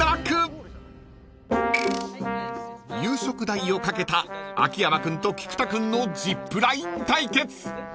［夕食代をかけた秋山君と菊田君のジップライン対決］